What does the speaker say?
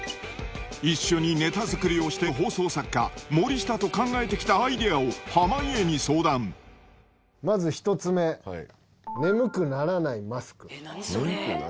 一緒にネタ作りをしている放送作家、森下と考えてきたアイデアを、まず１つ目、眠くならないマスク？